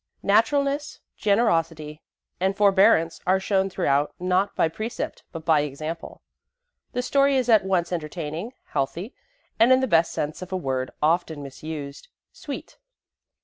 Naturalness, generosity, and forbearance are shown throughout not by precept but by example. The story is at once entertaining, healthy, and, in the best sense of a word often misused, sweet.